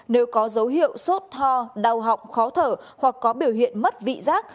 nếu có dấu hiệu sốt ho đau họng khó thở hoặc có biểu hiện mất vị giác